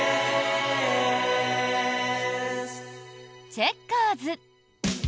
チェッカーズ。